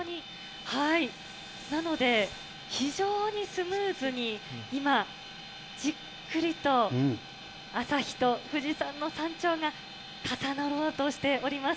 なので、非常にスムーズに今、じっくりと、朝日と富士山の山頂が重なろうとしております。